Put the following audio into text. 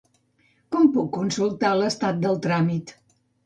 Com puc consultar l'estat del tràmit?